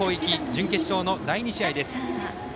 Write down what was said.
準決勝の第２試合です。